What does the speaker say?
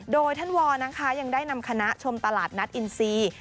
โดยท่านวอลนะคะยังได้นำคณะชมตลาดนัดอินซี